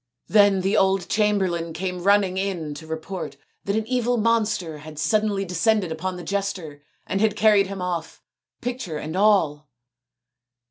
Then the old chamberlain came running in to report that an evil monster had suddenly descended upon the jester and had carried him off, picture and all.